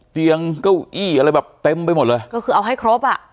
เก้าอี้อะไรแบบเต็มไปหมดเลยก็คือเอาให้ครบอ่ะ